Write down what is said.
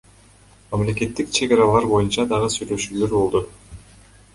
Мамлекеттик чек аралар боюнча дагы сүйлөшүүлөр болду.